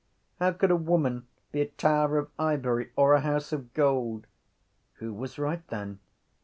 _ How could a woman be a tower of ivory or a house of gold? Who was right then?